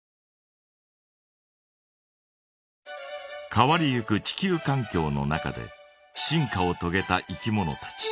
変わりゆく地球かん境の中で進化をとげたいきものたち。